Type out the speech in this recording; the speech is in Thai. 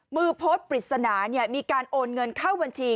มือโพสต์ปริศนามีการโอนเงินเข้าบัญชี